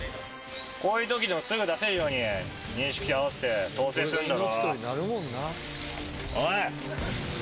こういうときでもすぐ出せるように認識合わせて統制してんだろ？